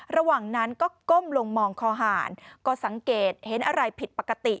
ระหว่างนั้นก็ก้มลงมองคอหารก็สังเกตเห็นอะไรผิดปกติ